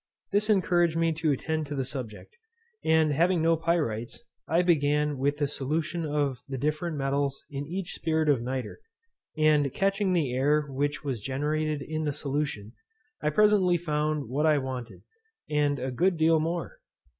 This encouraged me to attend to the subject; and having no pyrites, I began with the solution of the different metals in spirit of nitre, and catching the air which was generated in the solution, I presently found what I wanted, and a good deal more.